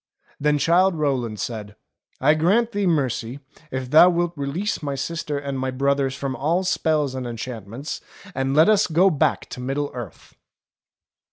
Then Childe Rowland said, "I grant thee mercy if thou wilt release my sister and my brothers from all spells and enchantments, and let us go back to Middle Earth."